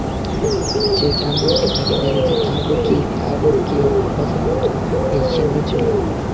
যে জানোয়ারটা তাকে মেরেছে, তারও কি তারও কি অক্টোপাসের মতো একই চিহ্ন ছিল?